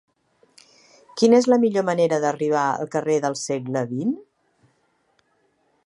Quina és la millor manera d'arribar al carrer del Segle XX?